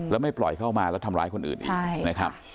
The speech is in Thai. และไม่ปล่อยเข้ามาทำร้ายคนอื่นอีก